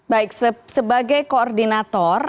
baik sebagai koordinator